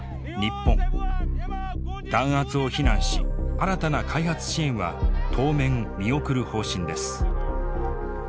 弾圧を非難し新たな開発支援は当面見送る方針です。